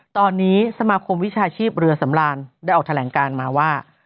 ตอนนี้สมาคมวิชาชีพเรือสำรานได้ออกแถลงการมาว่า